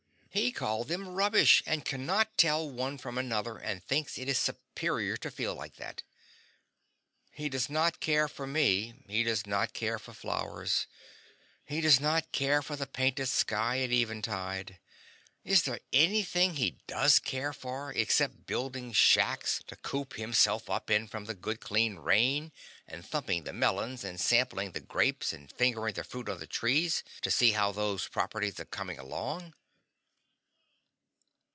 He called them rubbish, and cannot tell one from another, and thinks it is superior to feel like that. He does not care for me, he does not care for flowers, he does not care for the painted sky at eventide is there anything he does care for, except building shacks to coop himself up in from the good clean rain, and thumping the melons, and sampling the grapes, and fingering the fruit on the trees, to see how those properties are coming along?